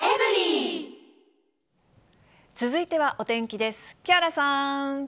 続いてはお天気です。